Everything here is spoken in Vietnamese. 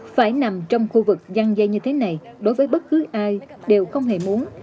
phải nằm trong khu vực gian dây như thế này đối với bất cứ ai đều không hề muốn